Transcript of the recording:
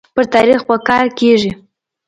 پر تاريخ به کار کيږي